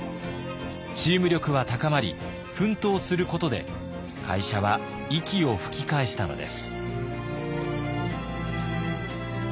チーム力は高まり奮闘することで会社は息を吹き返したのです。